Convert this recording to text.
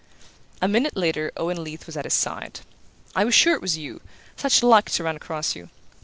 A minute later Owen Leath was at his side. "I was sure it was you! Such luck to run across you!